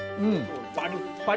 パリッパリ！